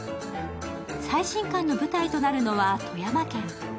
最新巻の舞台となるのは、富山県。